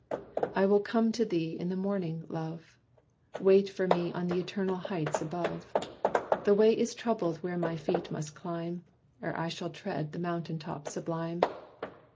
"I will come to thee in the morning, love! Wait for me on the Eternal Heights above. The way is troubled where my feet must climb, Ere I shall tread the mountain top sublime.